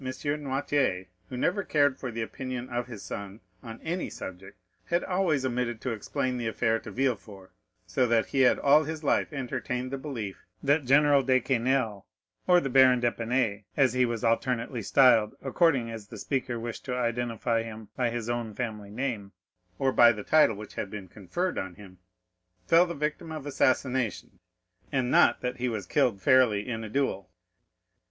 Noirtier, who never cared for the opinion of his son on any subject, had always omitted to explain the affair to Villefort, so that he had all his life entertained the belief that General de Quesnel, or the Baron d'Épinay, as he was alternately styled, according as the speaker wished to identify him by his own family name, or by the title which had been conferred on him, fell the victim of assassination, and not that he was killed fairly in a duel.